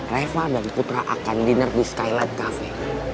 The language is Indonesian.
reva dan putra akan dinner di skylight cafe